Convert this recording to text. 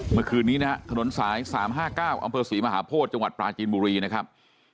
เมื่อคืนนี้นะฮะถนนสาย๓๕๙อำเภอศรีมหาโพธิจังหวัดปลาจีนบุรีนะครับ